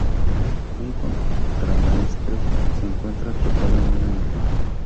Un contramaestre se encuentra atrapado en una isla.